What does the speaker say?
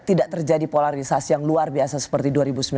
tidak terjadi polarisasi yang luar biasa seperti dua ribu sembilan belas